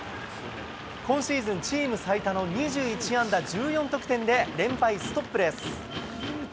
今シーズン、チーム最多の２１安打１４得点で、連敗ストップです。